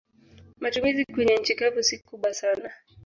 Matumizi kwenye nchi kavu si kubwa sana.